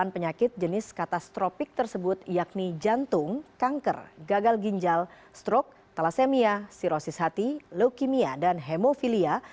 delapan penyakit jenis katastropik tersebut yakni jantung kanker gagal ginjal stroke thalassemia sirosis hati leukemia dan hemofilia